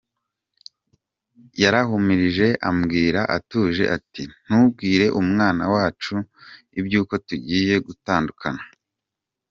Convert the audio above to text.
Yarahumirije ambwira atuje ati “Ntubwire umwana wacu iby’uko tugiye gutandukana.